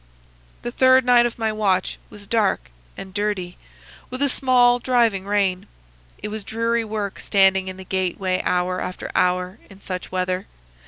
"The third night of my watch was dark and dirty, with a small, driving rain. It was dreary work standing in the gateway hour after hour in such weather.